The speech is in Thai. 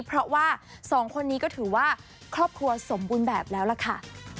เพราะว่าสองคนนี้ก็ถือว่าครอบครัวสมบูรณ์แบบแล้วล่ะค่ะ